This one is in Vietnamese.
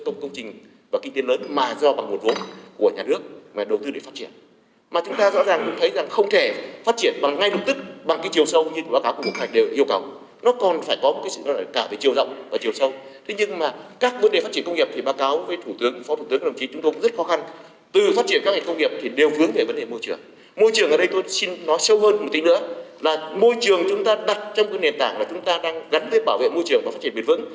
môi trường ở đây tôi xin nói sâu hơn một tí nữa là môi trường chúng ta đặt trong nền tảng là chúng ta đang gắn với bảo vệ môi trường và phát triển biệt vững